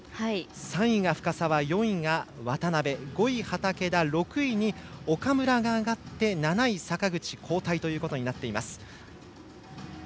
３位が深沢、４位が渡部５位、畠田６位に岡村が上がって７位に坂口が後退となっています。